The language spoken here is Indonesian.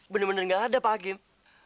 benar benar enggak ada pak kim